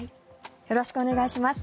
よろしくお願いします。